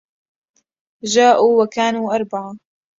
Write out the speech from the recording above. جاءوا وكانوا أربعة